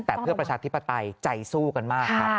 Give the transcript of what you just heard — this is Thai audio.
แต่เพื่อประชาธิปไตยใจสู้กันมากครับ